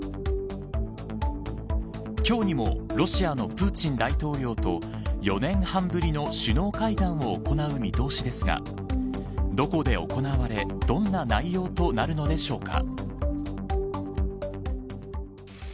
今日にもロシアのプーチン大統領と４年半ぶりの首脳会談を行う見通しですがどこで行われどんな内容となるのでしょうか。